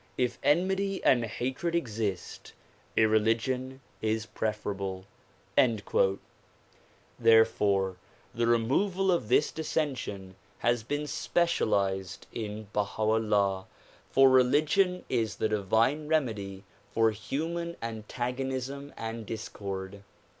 If enmity and hatred exist, irreligion is preferable." Therefore the removal of this dissension has been specialized in Baha 'Ullah, for religion is the divine remedy for human antagonism and discord.